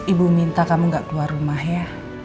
ibu minta kamu gak keluar rumah ya